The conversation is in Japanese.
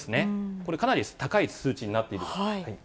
これ、かなり高い数値になっている。